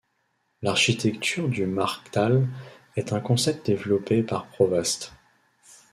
L'architecture du Markthal est un concept développé par Provast.